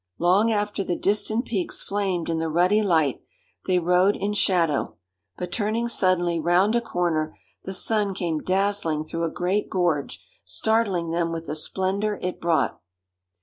Long after the distant peaks flamed in the ruddy light, they rode in shadow; but turning suddenly round a corner, the sun came dazzling through a great gorge, startling them with the splendour it brought.